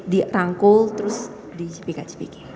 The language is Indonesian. di rangkul terus di cipika cipiki